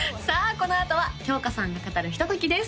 このあとは今日花サンが語るひとときです